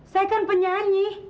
saya kan penyanyi